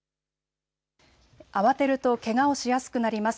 慌てるとけがをしやすくなります。